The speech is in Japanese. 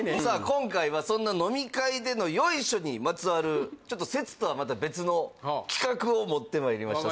今回はそんな飲み会でのヨイショにまつわるちょっと説とはまた別の企画を持ってまいりました